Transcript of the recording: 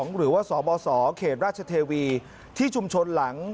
หรือว่าสบสเขตราชเทวีที่ชุมชนหลัง